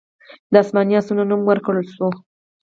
د اسماني آسونو نوم ورکړل شوی و